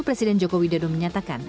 presiden jokowi dodo menyatakan